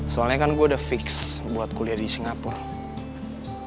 soalnya kan gue udah fix buat kuliah di singapura